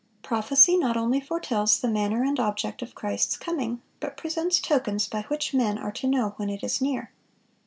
Prophecy not only foretells the manner and object of Christ's coming, but presents tokens by which men are to know when it is near.